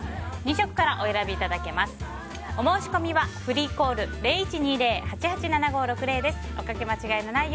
２色からお選びいただけます。